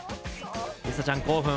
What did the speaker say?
梨紗ちゃん、興奮。